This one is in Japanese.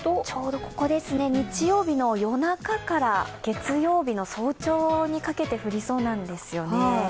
ちょうど日曜日の夜中から月曜日の早朝にかけて降りそうなんですよね。